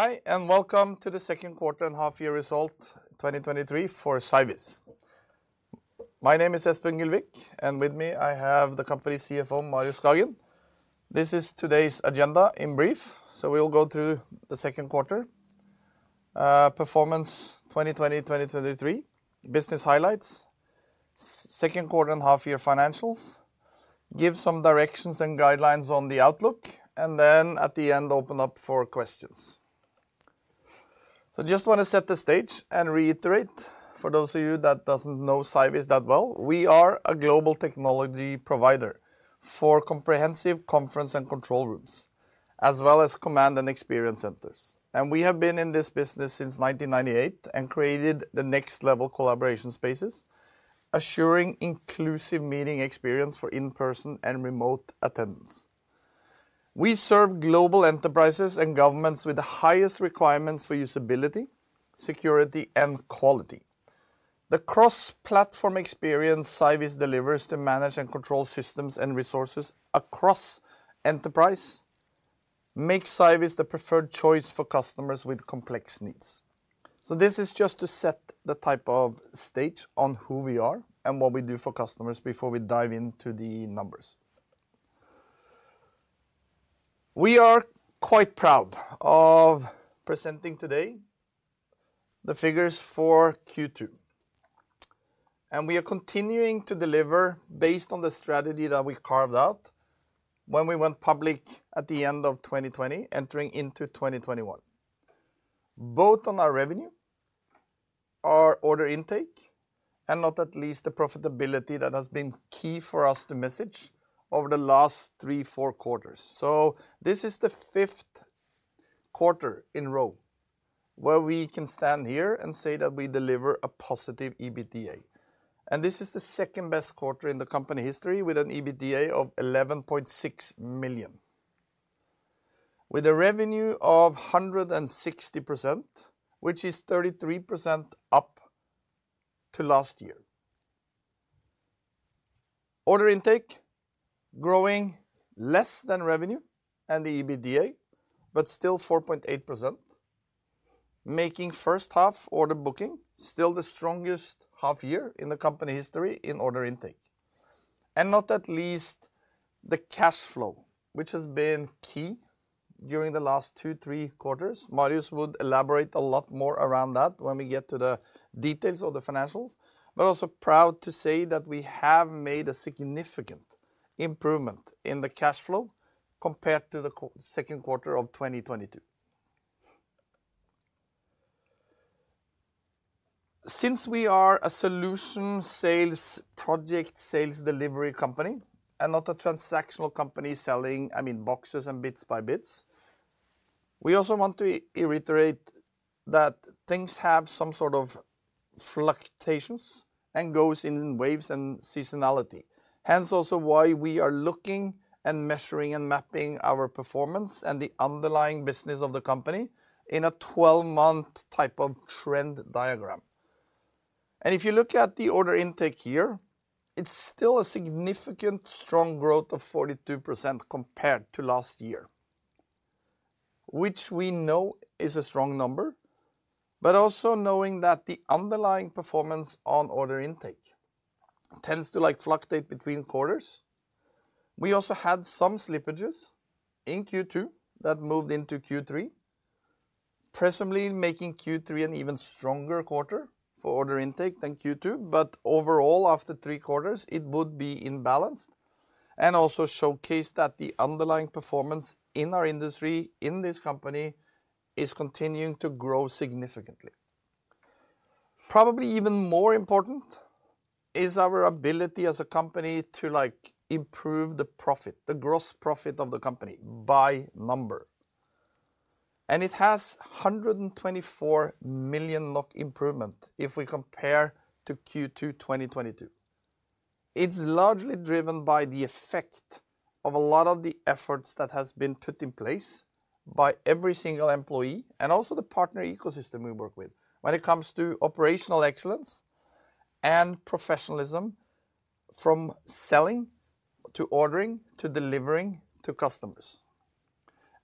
Hi, and welcome to the second quarter and half year result, 2023 for Cyviz. My name is Espen Gylvik, and with me, I have the company CFO, Marius Skagen. This is today's agenda in brief. So we'll go through the second quarter 2023 performance, business highlights, second quarter and half year financials, give some directions and guidelines on the outlook, and then at the end, open up for questions. So just want to set the stage and reiterate, for those of you that doesn't know Cyviz that well, we are a global technology provider for comprehensive conference and control rooms, as well as command and experience centers. And we have been in this business since 1998 and created the next level collaboration spaces, assuring inclusive meeting experience for in-person and remote attendance. We serve global enterprises and governments with the highest requirements for usability, security, and quality. The cross-platform experience Cyviz delivers to manage and control systems and resources across enterprise, makes Cyviz the preferred choice for customers with complex needs. This is just to set the type of stage on who we are and what we do for customers before we dive into the numbers. We are quite proud of presenting today the figures for Q2, and we are continuing to deliver based on the strategy that we carved out when we went public at the end of 2020, entering into 2021. Both on our revenue, our order intake, and not least the profitability that has been key for us to message over the last three, four quarters. So this is the 5th quarter in a row, where we can stand here and say that we deliver a positive EBITDA. And this is the 2nd best quarter in the company history, with an EBITDA of 11.6 million, with a revenue of 160%, which is 33% up to last year. Order intake growing less than revenue and the EBITDA, but still 4.8%, making first half order booking still the strongest half year in the company history in order intake. And not least the cash flow, which has been key during the last 2, 3 quarters. Marius would elaborate a lot more around that when we get to the details of the financials, but also proud to say that we have made a significant improvement in the cash flow compared to the second quarter of 2022. Since we are a solution sales, project sales delivery company and not a transactional company selling, I mean, boxes and bits by bits, we also want to reiterate that things have some sort of fluctuations and goes in waves and seasonality. Hence, also why we are looking and measuring, and mapping our performance and the underlying business of the company in a twelve-month type of trend diagram. And if you look at the order intake here, it's still a significant strong growth of 42% compared to last year, which we know is a strong number, but also knowing that the underlying performance on order intake tends to like fluctuate between quarters. We also had some slippages in Q2 that moved into Q3, presumably making Q3 an even stronger quarter for order intake than Q2. But overall, after three quarters, it would be in balance and also showcase that the underlying performance in our industry, in this company, is continuing to grow significantly. Probably even more important is our ability as a company to, like, improve the profit, the gross profit of the company by number. And it has 124 million NOK improvement if we compare to Q2 2022. It's largely driven by the effect of a lot of the efforts that has been put in place by every single employee, and also the partner ecosystem we work with when it comes to operational excellence and professionalism, from selling, to ordering, to delivering to customers.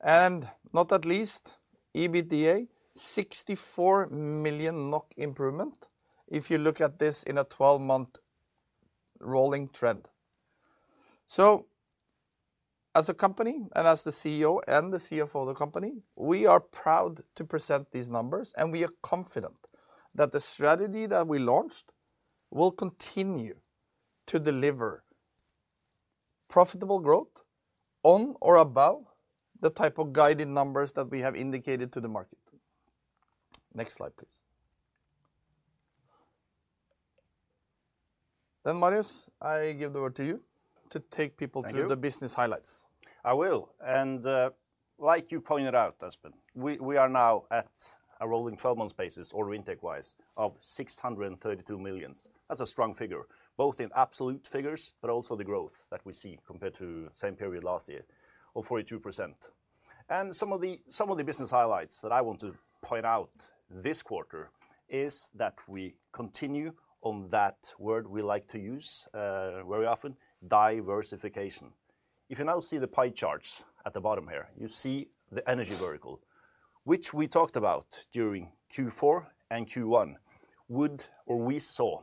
And not at least, EBITDA, 64 million NOK improvement, if you look at this in a 12-month rolling trend. As a company and as the CEO and the CFO of the company, we are proud to present these numbers, and we are confident that the strategy that we launched will continue to deliver profitable growth on or above the type of guided numbers that we have indicated to the market. Next slide, please. Then, Marius, I give the word to you to take people- Thank you. through the business highlights. I will. And, like you pointed out, Espen, we, we are now at a rolling twelve-month basis, order intake-wise, of 632 million. That's a strong figure, both in absolute figures, but also the growth that we see compared to same period last year of 42%. And some of the, some of the business highlights that I want to point out this quarter is that we continue on that word we like to use, very often, diversification. If you now see the pie charts at the bottom here, you see the energy vertical, which we talked about during Q4 and Q1, or we saw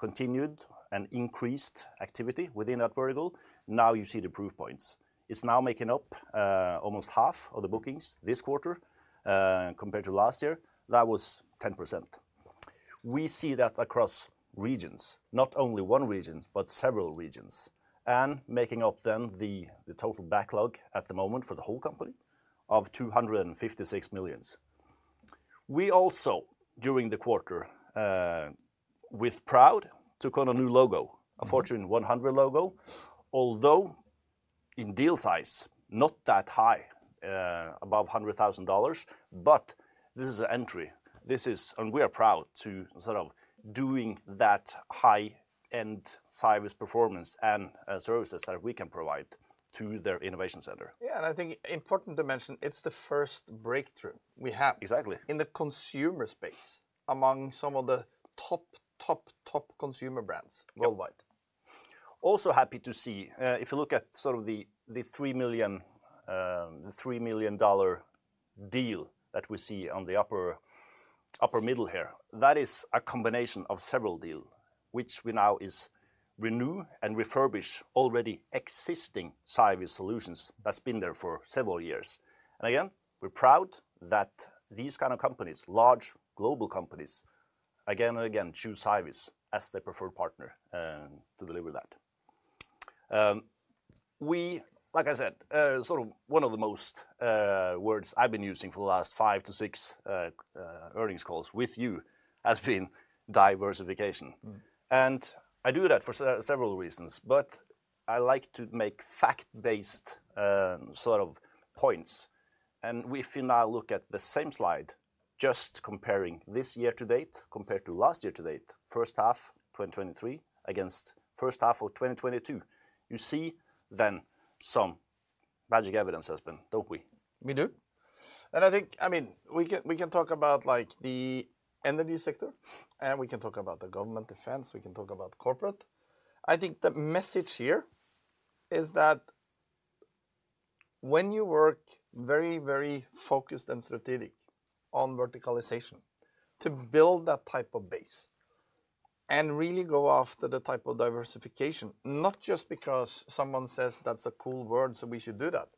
continued and increased activity within that vertical. Now, you see the proof points. It's now making up almost half of the bookings this quarter, compared to last year, that was 10%. We see that across regions, not only one region, but several regions, and making up then the total backlog at the moment for the whole company of 256 million. We also, during the quarter, with pride, took on a new logo, a Fortune 100 logo, although in deal size, not that high, above $100,000, but this is an entry. This is. We are proud to sort of doing that high-end Cyviz performance and services that we can provide to their innovation center. Yeah, and I think important to mention, it's the first breakthrough we have- Exactly in the consumer space among some of the top, top, top consumer brands worldwide. Also happy to see, if you look at sort of the $3 million deal that we see on the upper middle here, that is a combination of several deal, which we now is renew and refurbish already existing Cyviz solutions that's been there for several years. And again, we're proud that these kind of companies, large global companies, again and again, choose Cyviz as their preferred partner to deliver that. Like I said, sort of one of the most words I've been using for the last 5-6 earnings calls with you has been diversification. I do that for several reasons, but I like to make fact-based, sort of points. If you now look at the same slide, just comparing this year to date compared to last year to date, first half 2023 against first half of 2022, you see then some magic evidence has been, don't we? We do. And I think, I mean, we can, we can talk about, like, the energy sector, and we can talk about the government defense, we can talk about corporate. I think the message here is that when you work very, very focused and strategic on verticalization, to build that type of base and really go after the type of diversification, not just because someone says that's a cool word, so we should do that,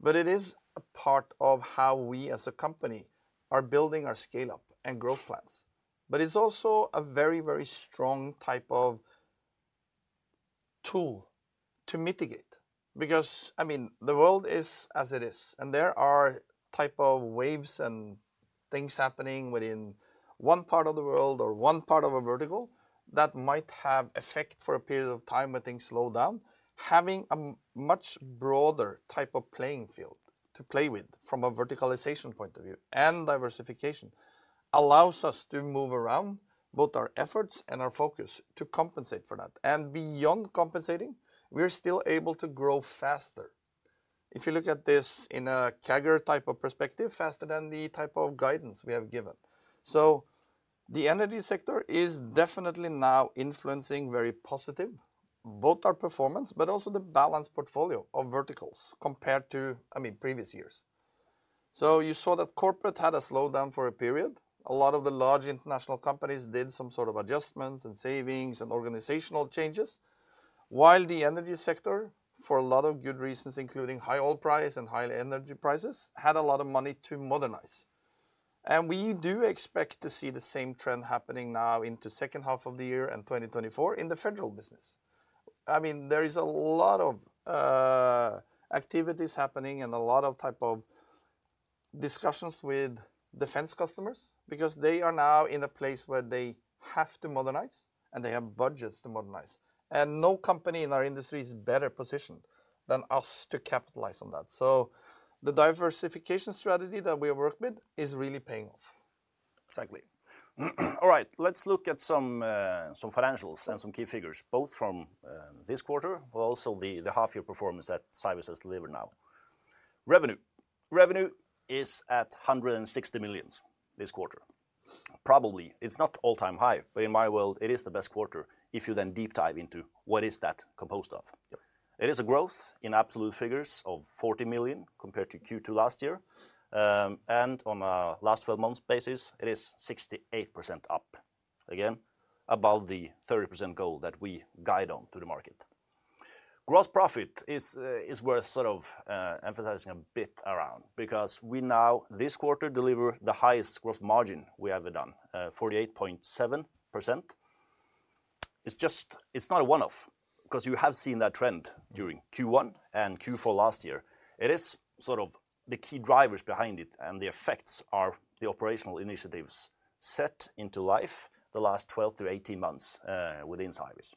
but it is a part of how we as a company are building our scale-up and growth plans. But it's also a very, very strong type of tool to mitigate, because, I mean, the world is as it is, and there are type of waves and things happening within one part of the world or one part of a vertical that might have effect for a period of time when things slow down. Having a much broader type of playing field to play with from a verticalization point of view, and diversification, allows us to move around both our efforts and our focus to compensate for that. And beyond compensating, we're still able to grow faster. If you look at this in a CAGR type of perspective, faster than the type of guidance we have given. So the energy sector is definitely now influencing very positive, both our performance, but also the balanced portfolio of verticals, compared to, I mean, previous years. So you saw that corporate had a slowdown for a period. A lot of the large international companies did some sort of adjustments and savings and organizational changes, while the energy sector, for a lot of good reasons, including high oil price and high energy prices, had a lot of money to modernize. We do expect to see the same trend happening now into the second half of the year and 2024 in the federal business. I mean, there is a lot of activities happening and a lot of type of discussions with defense customers because they are now in a place where they have to modernize, and they have budgets to modernize. No company in our industry is better positioned than us to capitalize on that. The diversification strategy that we work with is really paying off. Exactly. All right, let's look at some financials and some key figures, both from this quarter, but also the half year performance that Cyviz has delivered now. Revenue. Revenue is at 160 million this quarter. Probably, it's not all-time high, but in my world, it is the best quarter, if you then deep dive into what is that composed of? It is a growth in absolute figures of 40 million compared to Q2 last year. And on a last 12 months basis, it is 68% up, again, above the 30% goal that we guide on to the market. Gross profit is worth sort of emphasizing a bit around, because we now, this quarter, deliver the highest gross margin we ever done, 48.7%. It's just, It's not a one-off, because you have seen that trend during Q1 and Q4 last year. It is sort of the key drivers behind it, and the effects are the operational initiatives set into life the last 12 to 18 months, within Cyviz.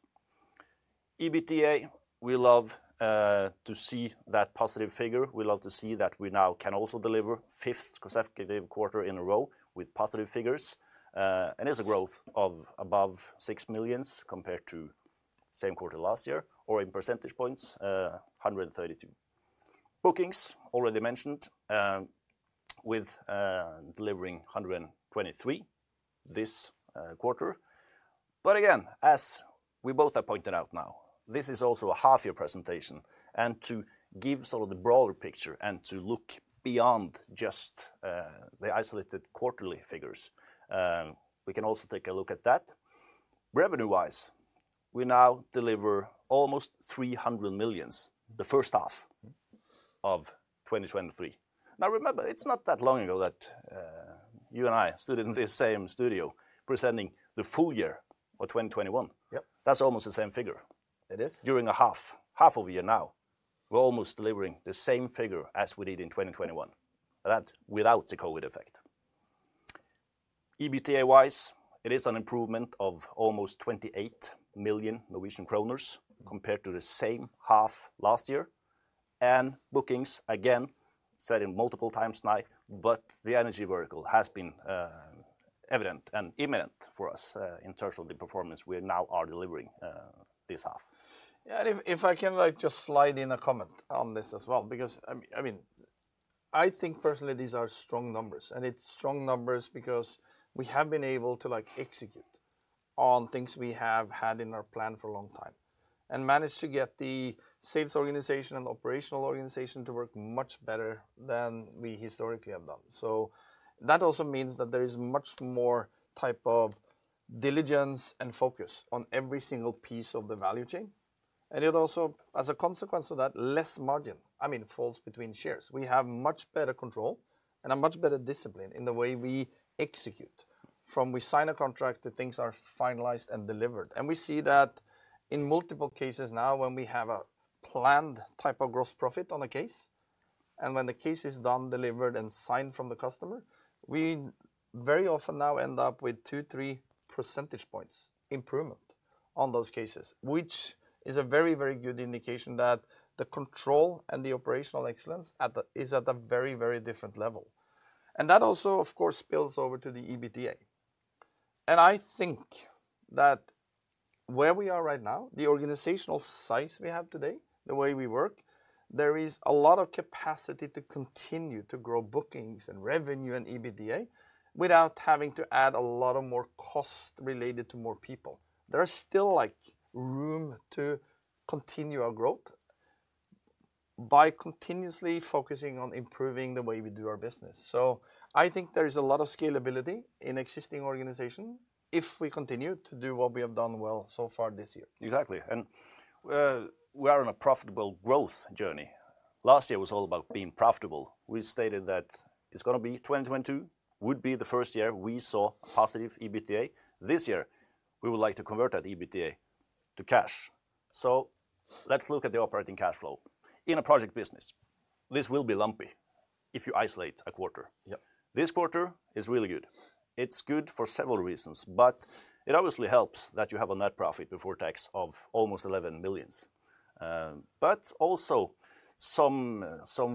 EBITDA, we love to see that positive figure. We love to see that we now can also deliver fifth consecutive quarter in a row with positive figures, and is a growth of above 6 million compared to same quarter last year, or in percentage points, 132. Bookings already mentioned, with delivering 123 this quarter. But again, as we both have pointed out now, this is also a half-year presentation, and to give sort of the broader picture and to look beyond just the isolated quarterly figures, we can also take a look at that. Revenue-wise, we now deliver almost 300 million the first half of 2023. Now, remember, it's not that long ago that, you and I stood in this same studio presenting the full year of 2021. Yep. That's almost the same figure. It is. During a half, half of a year now, we're almost delivering the same figure as we did in 2021, and that without the COVID effect. EBITDA-wise, it is an improvement of almost 28 million Norwegian kroner compared to the same half last year. And bookings, again, said it multiple times tonight, but the energy vertical has been evident and imminent for us in terms of the performance we now are delivering this half. Yeah, and if I can, like, just slide in a comment on this as well, because, I mean, I think personally, these are strong numbers, and it's strong numbers because we have been able to, like, execute on things we have had in our plan for a long time, and managed to get the sales organization and operational organization to work much better than we historically have done. So that also means that there is much more type of diligence and focus on every single piece of the value chain. And it also, as a consequence of that, less margin, I mean, falls between shares. We have much better control and a much better discipline in the way we execute, from we sign a contract to things are finalized and delivered. And we see that in multiple cases now, when we have a planned type of gross profit on a case, and when the case is done, delivered, and signed from the customer, we very often now end up with 2-3 percentage points improvement on those cases, which is a very, very good indication that the control and the operational excellence at the, is at a very, very different level. And that also, of course, spills over to the EBITDA. And I think that where we are right now, the organizational size we have today, the way we work, there is a lot of capacity to continue to grow bookings and revenue and EBITDA without having to add a lot of more cost related to more people. There is still, like, room to continue our growth by continuously focusing on improving the way we do our business. I think there is a lot of scalability in existing organization if we continue to do what we have done well so far this year. Exactly. We are on a profitable growth journey. Last year was all about being profitable. We stated that it's gonna be 2022, would be the first year we saw positive EBITDA. This year, we would like to convert that EBITDA to cash. Let's look at the operating cash flow. In a project business, this will be lumpy if you isolate a quarter. Yep. This quarter is really good. It's good for several reasons, but it obviously helps that you have a net profit before tax of almost 11 million. But also some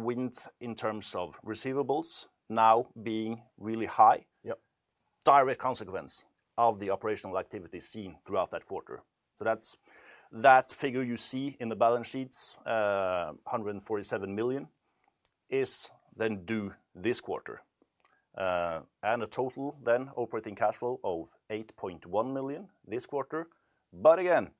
wind in terms of receivables now being really high. Yep. Direct consequence of the operational activity seen throughout that quarter. So that's, that figure you see in the balance sheets, 147 million, is then due this quarter. And a total then operating cash flow of 8.1 million this quarter. But again,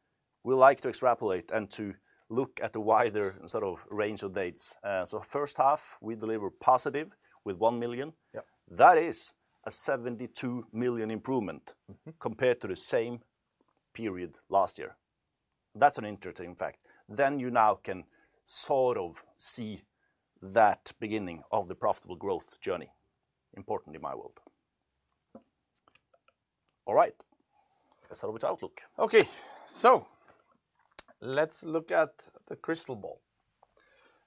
we like to extrapolate and to look at the wider sort of range of dates. So first half, we deliver positive with 1 million. Yep. That is a 72 million improvement compared to the same period last year. That's an interesting fact. Then you now can sort of see that beginning of the profitable growth journey, important in my world. All right, let's start with outlook. Okay, so let's look at the crystal ball.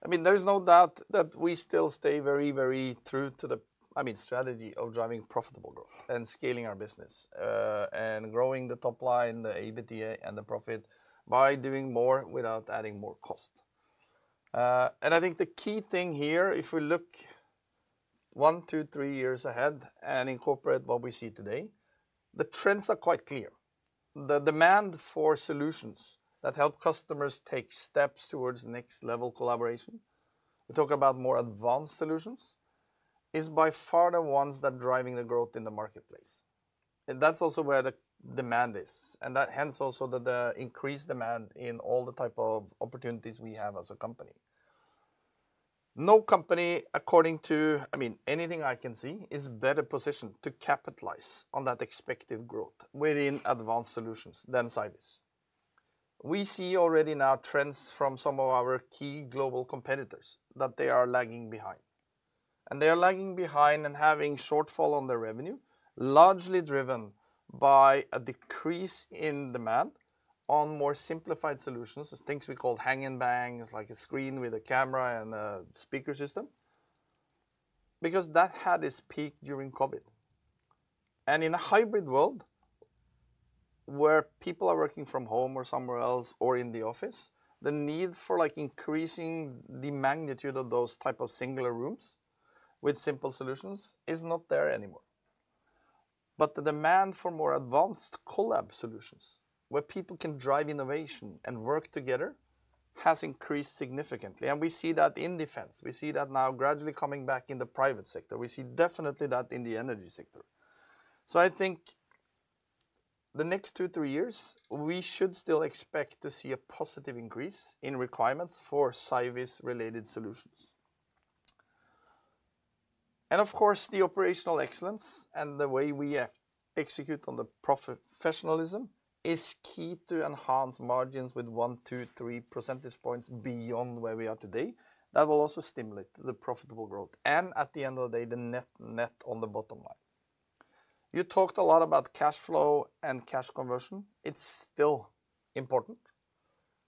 I mean, there is no doubt that we still stay very, very true to the, I mean, strategy of driving profitable growth and scaling our business, and growing the top line, the EBITDA, and the profit by doing more without adding more cost. And I think the key thing here, if we look one, two, three years ahead and incorporate what we see today, the trends are quite clear. The demand for solutions that help customers take steps towards next-level collaboration, we talk about more advanced solutions, is by far the ones that are driving the growth in the marketplace, and that's also where the demand is, and that hence also the increased demand in all the type of opportunities we have as a company. No company, according to, I mean, anything I can see, is better positioned to capitalize on that expected growth within advanced solutions than Cyviz. We see already now trends from some of our key global competitors, that they are lagging behind, and they are lagging behind and having shortfall on their revenue, largely driven by a decrease in demand on more simplified solutions, the things we call hang and bang. It's like a screen with a camera and a speaker system. Because that had its peak during COVID. In a hybrid world, where people are working from home or somewhere else or in the office, the need for, like, increasing the magnitude of those type of singular rooms with simple solutions is not there anymore But the demand for more advanced collab solutions, where people can drive innovation and work together, has increased significantly, and we see that in defense. We see that now gradually coming back in the private sector. We see definitely that in the energy sector. So I think the next 2-3 years, we should still expect to see a positive increase in requirements for Cyviz-related solutions. And of course, the operational excellence and the way we execute on the professionalism is key to enhance margins with 1-3 percentage points beyond where we are today. That will also stimulate the profitable growth, and at the end of the day, the net-net on the bottom line. You talked a lot about cash flow and cash conversion. It's still important,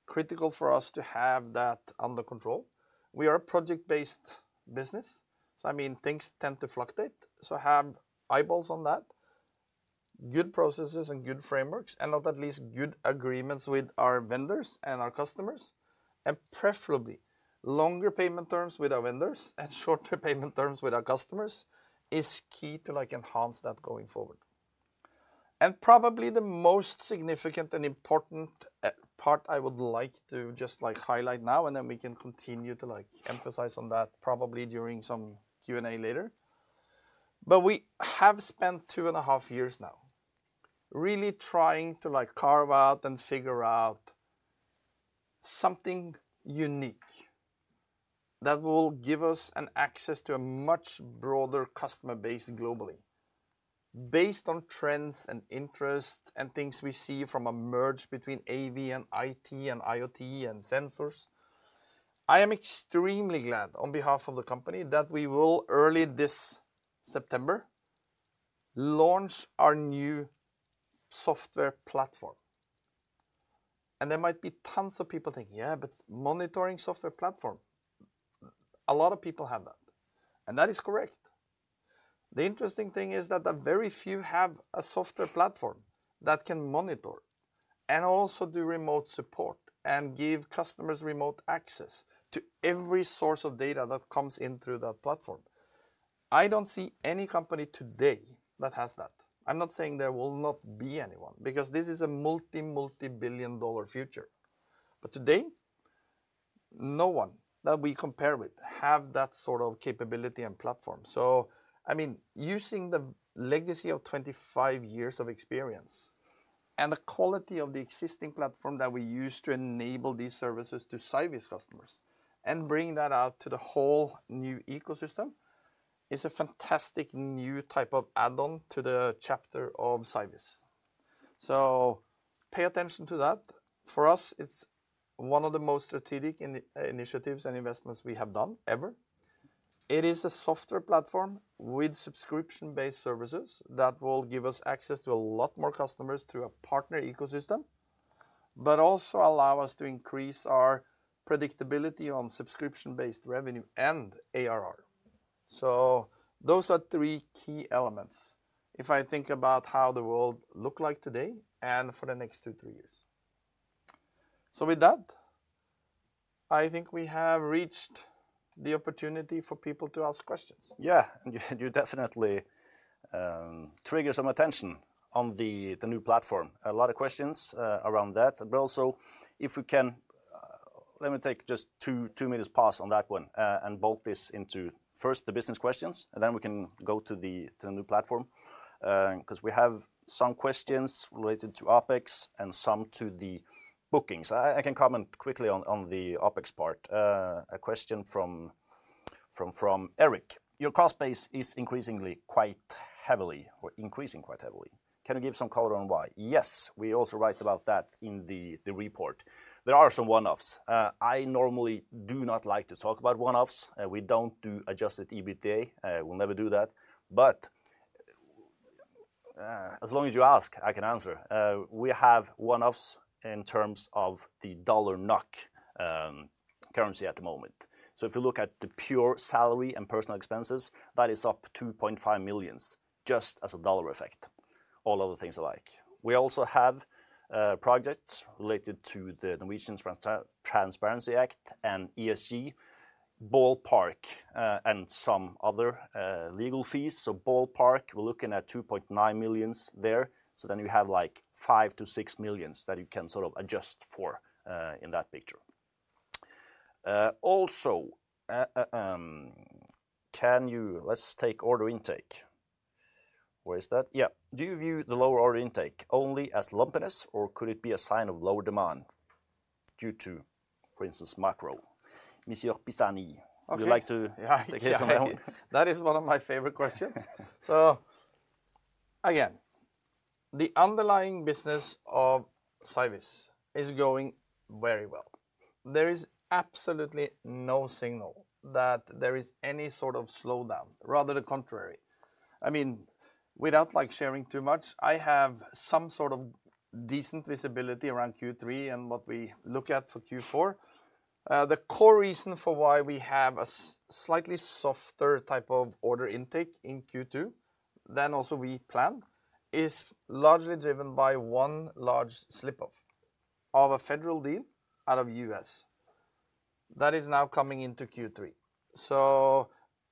critical for us to have that under control. We are a project-based business, so, I mean, things tend to fluctuate, so have eyeballs on that. Good processes and good frameworks, and not least good agreements with our vendors and our customers, and preferably longer payment terms with our vendors and shorter payment terms with our customers, is key to, like, enhance that going forward. And probably the most significant and important part I would like to just, like, highlight now, and then we can continue to, like, emphasize on that probably during some Q&A later. But we have spent two and a half years now really trying to, like, carve out and figure out something unique that will give us an access to a much broader customer base globally. Based on trends and interest and things we see from a merge between AV and IT and IoT and sensors, I am extremely glad on behalf of the company that we will, early this September, launch our new software platform. And there might be tons of people thinking: "Yeah, but monitoring software platform, a lot of people have that," and that is correct. The interesting thing is that a very few have a software platform that can monitor and also do remote support and give customers remote access to every source of data that comes in through that platform. I don't see any company today that has that. I'm not saying there will not be anyone, because this is a multi, multi-billion-dollar future. But today, no one that we compare with have that sort of capability and platform. So I mean, using the legacy of 25 years of experience and the quality of the existing platform that we use to enable these services to Cyviz customers and bringing that out to the whole new ecosystem, is a fantastic new type of add-on to the chapter of Cyviz. So pay attention to that. For us, it's one of the most strategic initiatives and investments we have done ever. It is a software platform with subscription-based services that will give us access to a lot more customers through a partner ecosystem, but also allow us to increase our predictability on subscription-based revenue and ARR. So those are three key elements if I think about how the world look like today and for the next two, three years. So with that, I think we have reached the opportunity for people to ask questions. Yeah, and you definitely trigger some attention on the new platform. A lot of questions around that, but also if we can, let me take just 2 minutes past on that one, and bolt this into first the business questions, and then we can go to the new platform, because we have some questions related to OpEx and some to the bookings. I can comment quickly on the OpEx part. A question from Eric: "Your cost base is increasingly quite heavily or increasing quite heavily. Can you give some color on why?" Yes, we also write about that in the report. There are some one-offs. I normally do not like to talk about one-offs, we don't do adjusted EBITDA, we'll never do that. But, as long as you ask, I can answer. We have one-offs in terms of the dollar-NOK currency at the moment. So if you look at the pure salary and personal expenses, that is up 2.5 million, just as a dollar effect. All other things alike. We also have projects related to the Norwegian Transparency Act and ESG ballpark, and some other legal fees. So ballpark, we're looking at 2.9 million there. So then you have, like, 5 million-6 million that you can sort of adjust for, in that picture. Also, can you, let's take order intake. Where is that? Yeah. "Do you view the lower order intake only as lumpiness, or could it be a sign of lower demand due to, for instance, macro?" Monsieur Pisani- Okay. Would you like to- Yeah, Take this one home? That is one of my favorite questions. So again, the underlying business of Cyviz is going very well. There is absolutely no signal that there is any sort of slowdown, rather the contrary. I mean, without like sharing too much, I have some sort of decent visibility around Q3 and what we look at for Q4. The core reason for why we have a slightly softer type of order intake in Q2 than also we plan, is largely driven by one large slip-off of a federal deal out of U.S. That is now coming into Q3. So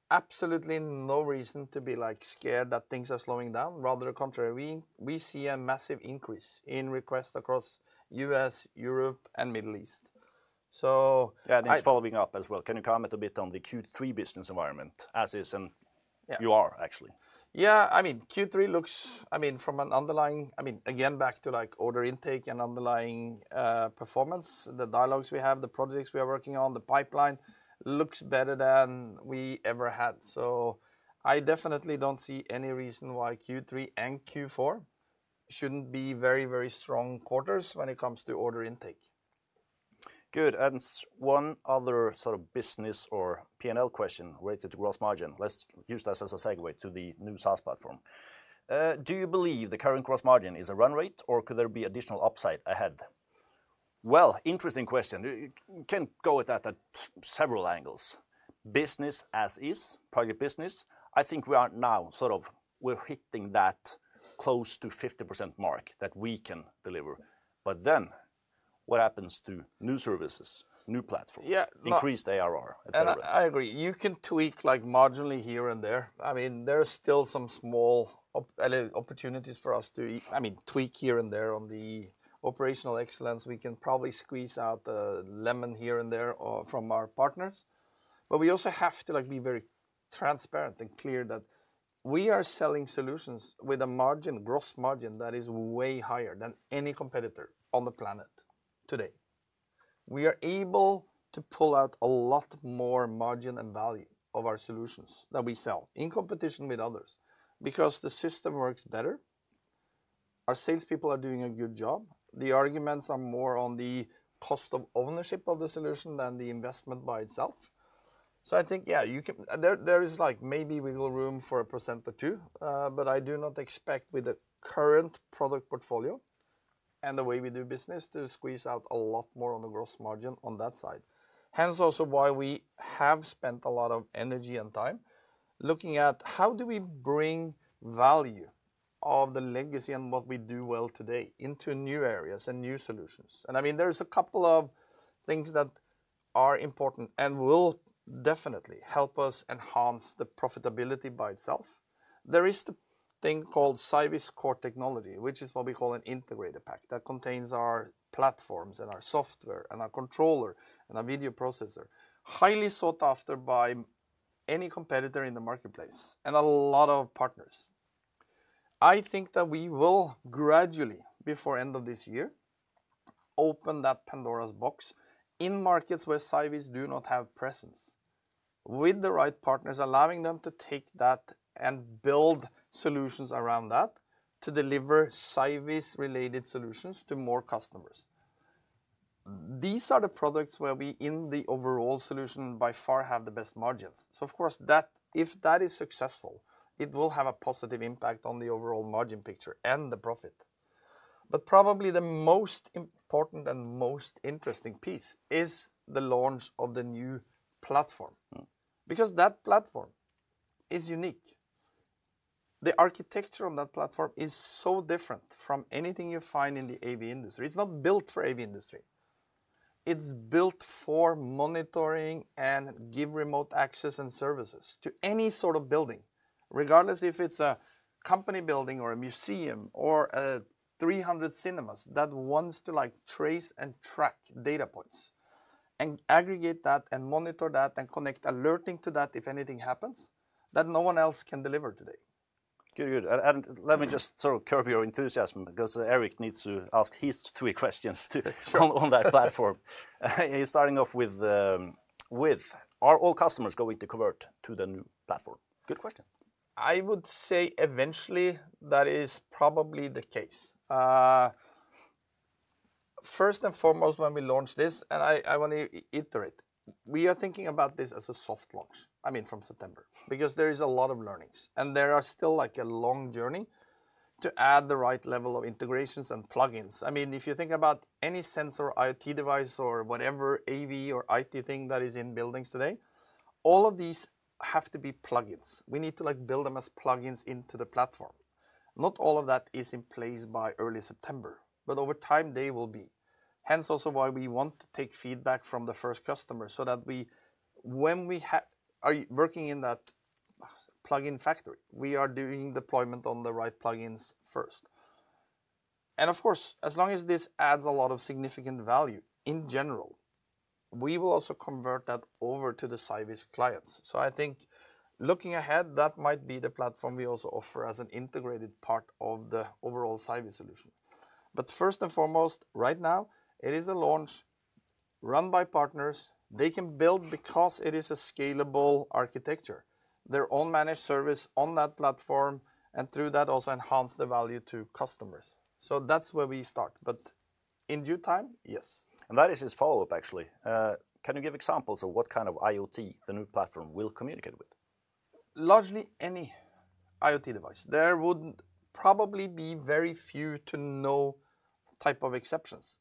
absolutely no reason to be, like, scared that things are slowing down. Rather the contrary, we, we see a massive increase in requests across U.S., Europe, and Middle East. So I Yeah, and just following up as well, can you comment a bit on the Q3 business environment as is and Yeah. You are actually. Yeah, I mean, Q3 looks, I mean, from an underlying- I mean, again, back to like order intake and underlying performance, the dialogues we have, the projects we are working on, the pipeline looks better than we ever had. So I definitely don't see any reason why Q3 and Q4 shouldn't be very, very strong quarters when it comes to order intake. Good. And one other sort of business or P&L question related to gross margin. Let's use this as a segue to the new SaaS platform. Do you believe the current gross margin is a run rate, or could there be additional upside ahead? Well, interesting question. You can go at that at several angles. Business as is, project business, I think we are now sort of, we're hitting that close to 50% mark that we can deliver. But then, what happens to new services, new platform- Yeah, but- Increased ARR, et cetera? I agree. You can tweak like marginally here and there. I mean, there are still some small opportunities for us to, I mean, tweak here and there on the operational excellence. We can probably squeeze out the lemon here and there or from our partners, but we also have to, like, be very transparent and clear that we are selling solutions with a margin, gross margin, that is way higher than any competitor on the planet today. We are able to pull out a lot more margin and value of our solutions that we sell in competition with others because the system works better. Our salespeople are doing a good job. The arguments are more on the cost of ownership of the solution than the investment by itself. So I think, yeah, you can There, there is like maybe little room for 1% or 2%, but I do not expect with the current product portfolio and the way we do business to squeeze out a lot more on the gross margin on that side. Hence, also why we have spent a lot of energy and time looking at how do we bring value of the legacy and what we do well today into new areas and new solutions? I mean, there is a couple of things that are important and will definitely help us enhance the profitability by itself. There is the thing called Cyviz Core Technology, which is what we call an integrated pack, that contains our platforms and our software and our controller and our video processor. Highly sought after by any competitor in the marketplace and a lot of partners. I think that we will gradually, before end of this year, open that Pandora's box in markets where Cyviz do not have presence, with the right partners, allowing them to take that and build solutions around that to deliver Cyviz-related solutions to more customers. These are the products where we, in the overall solution, by far have the best margins. So of course, that, if that is successful, it will have a positive impact on the overall margin picture and the profit. But probably the most important and most interesting piece is the launch of the new platform. Because that platform is unique. The architecture on that platform is so different from anything you find in the AV industry. It's not built for AV industry. It's built for monitoring and give remote access and services to any sort of building, regardless if it's a company building or a museum or 300 cinemas that wants to, like, trace and track data points and aggregate that and monitor that and connect alerting to that if anything happens, that no one else can deliver today. Good, good. And, and, let me just sort of curb your enthusiasm, because Eric needs to ask his three questions, too Sure. on that platform. He's starting off with, are all customers going to convert to the new platform? Good question. I would say eventually that is probably the case. First and foremost, when we launch this, and I want to iterate, we are thinking about this as a soft launch, I mean, from September, because there is a lot of learnings, and there are still, like, a long journey to add the right level of integrations and plug-ins. I mean, if you think about any sensor IoT device or whatever AV or IT thing that is in buildings today, all of these have to be plug-ins. We need to, like, build them as plug-ins into the platform. Not all of that is in place by early September, but over time they will be. Hence, also why we want to take feedback from the first customer so that we, when we are working in that plug-in factory, we are doing deployment on the right plug-ins first. And of course, as long as this adds a lot of significant value, in general, we will also convert that over to the Cyviz clients. So I think looking ahead, that might be the platform we also offer as an integrated part of the overall Cyviz solution. But first and foremost, right now, it is a launch run by partners. They can build because it is a scalable architecture, their own managed service on that platform, and through that, also enhance the value to customers. So that's where we start, but in due time, yes. That is his follow-up, actually. Can you give examples of what kind of IoT the new platform will communicate with? Largely, any IoT device. There would probably be very few to no type of exceptions.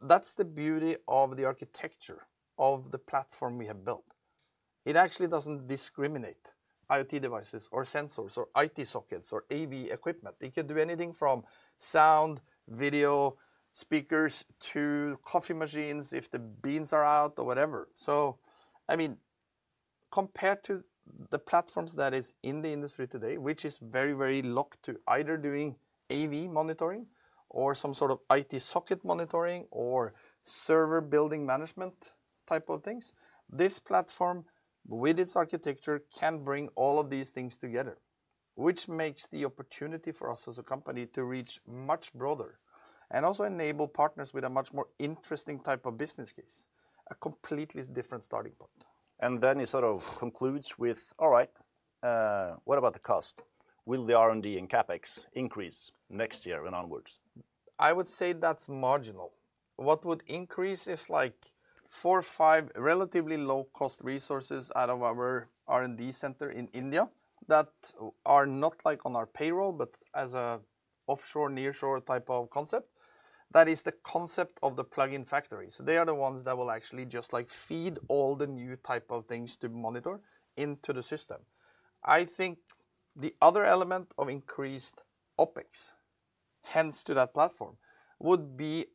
That's the beauty of the architecture of the platform we have built, it actually doesn't discriminate IoT devices or sensors or IT sockets or AV equipment. It can do anything from sound, video, speakers, to coffee machines, if the beans are out or whatever. So, I mean, compared to the platforms that is in the industry today, which is very, very locked to either doing AV monitoring or some sort of IT socket monitoring or server building management type of things, this platform, with its architecture, can bring all of these things together, which makes the opportunity for us as a company to reach much broader and also enable partners with a much more interesting type of business case, a completely different starting point. And then it sort of concludes with, all right, what about the cost? Will the R&D and CapEx increase next year and onwards? I would say that's marginal. What would increase is, like, four or five relatively low-cost resources out of our R&D center in India, that are not, like, on our payroll, but as an offshore, nearshore type of concept. That is the concept of the plugin factory. So they are the ones that will actually just, like, feed all the new type of things to monitor into the system. I think the other element of increased OpEx, hence to that platform, would be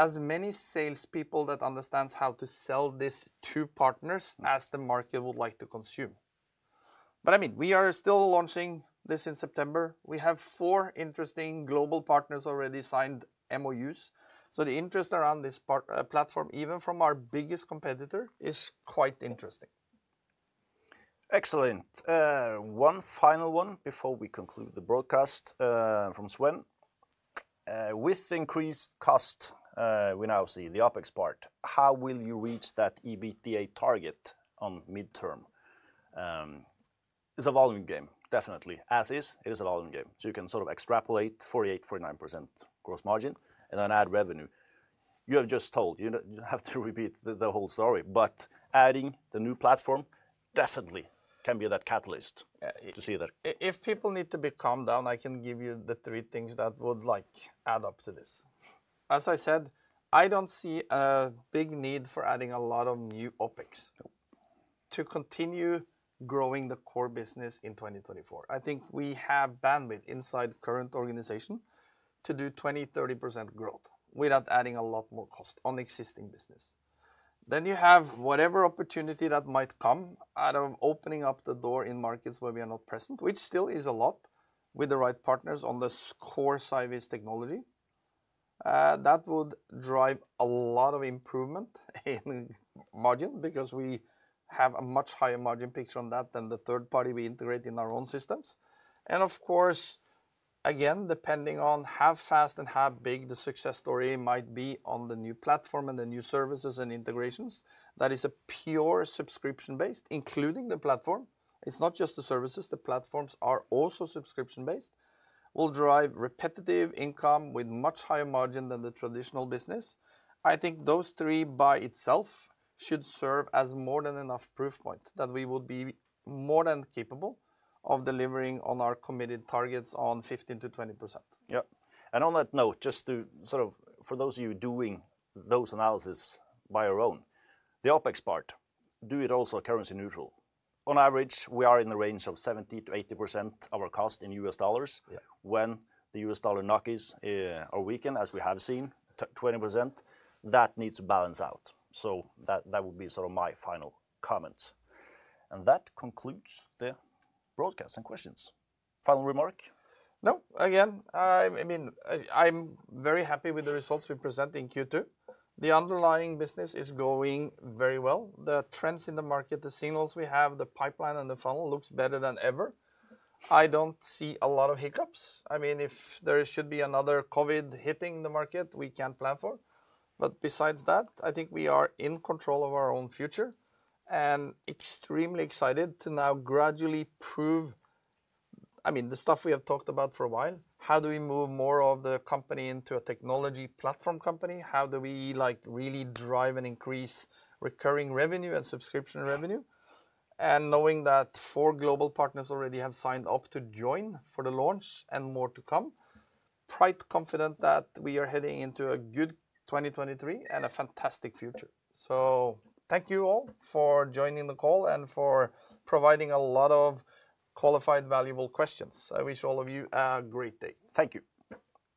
as many salespeople that understands how to sell this to partners as the market would like to consume. But, I mean, we are still launching this in September. We have four interesting global partners already signed MOUs, so the interest around this platform, even from our biggest competitor, is quite interesting. Excellent. One final one before we conclude the broadcast, from Sven. "With increased cost, we now see the OpEx part, how will you reach that EBITDA target on midterm?" It's a volume game, definitely. As is, it is a volume game, so you can sort of extrapolate 48%-49% gross margin and then add revenue. You have just told., you don't have to repeat the, the whole story, but adding the new platform definitely can be that catalyst to see that. If people need to be calmed down, I can give you the three things that would likely add up to this. As I said, I don't see a big need for adding a lot of new OpEx- Yeah to continue growing the core business in 2024. I think we have bandwidth inside the current organization to do 20%-30% growth without adding a lot more cost on the existing business. Then you have whatever opportunity that might come out of opening up the door in markets where we are not present, which still is a lot, with the right partners on this core Cyviz technology. That would drive a lot of improvement in margin because we have a much higher margin pitch on that than the third party we integrate in our own systems. And of course, again, depending on how fast and how big the success story might be on the new platform and the new services and integrations, that is a pure subscription-based, including the platform. It's not just the services, the platforms are also subscription-based, will drive repetitive income with much higher margin than the traditional business. I think those three by itself should serve as more than enough proof point that we will be more than capable of delivering on our committed targets on 15%-20%. Yeah. And on that note, just to sort of for those of you doing those analyses by your own, the OpEx part, do it also currency neutral. On average, we are in the range of 70%-80% of our cost in US dollars. Yeah. When the US dollar NOK is, or weaken, as we have seen, 20%, that needs to balance out. So that, that would be sort of my final comment. And that concludes the broadcast and questions. Final remark? No. Again, I mean, I'm very happy with the results we present in Q2. The underlying business is going very well. The trends in the market, the signals we have, the pipeline, and the funnel looks better than ever. I don't see a lot of hiccups. I mean, if there should be another COVID hitting the market, we can't plan for, but besides that, I think we are in control of our own future and extremely excited to now gradually prove. I mean, the stuff we have talked about for a while, how do we move more of the company into a technology platform company? How do we, like, really drive and increase recurring revenue and subscription revenue? Knowing that four global partners already have signed up to join for the launch and more to come, quite confident that we are heading into a good 2023 and a fantastic future. Thank you all for joining the call and for providing a lot of qualified, valuable questions. I wish all of you a great day. Thank you.